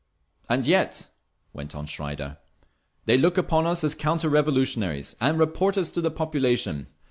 "And yet," went on Schreider, "they look upon us as counter revolutionaries and report us to the population.